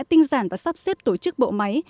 tinh giản và sắp xếp tổ chức bộ máy